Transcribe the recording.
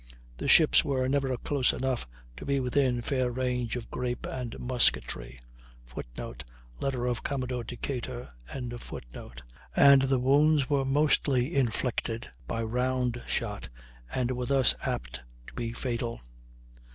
The ships were never close enough to be within fair range of grape and musketry, [Footnote: Letter of Commodore Decatur.] and the wounds were mostly inflicted by round shot and were thus apt to be fatal.